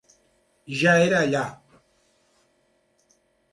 Ja era allà.